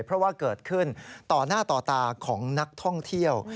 เพราะว่าเกิดขึ้นต่อหน้าต่อตาของนักท่องเที่ยว